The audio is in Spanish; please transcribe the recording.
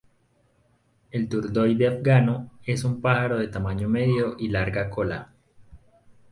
El turdoide afgano es un pájaro de tamaño medio y larga cola.